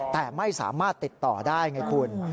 แต่ไม่สามารถติดต่อได้ไงคุณ